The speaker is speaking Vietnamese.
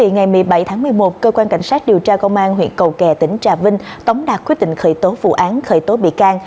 ngày một mươi bảy tháng một mươi một cơ quan cảnh sát điều tra công an huyện cầu kè tỉnh trà vinh tống đạt quyết định khởi tố vụ án khởi tố bị can